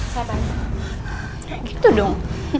gak gitu dong